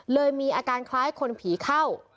เลยมีอาการคล้ายคนผีเข้า